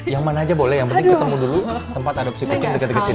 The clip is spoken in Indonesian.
yang mana aja boleh yang penting ketemu dulu tempat adopsi kucing deket deket sini